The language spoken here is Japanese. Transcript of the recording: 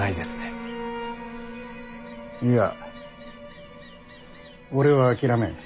いや俺は諦めん。